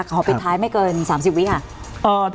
ขอพิจารณ์ไม่เกิน๓๐วิค่ะ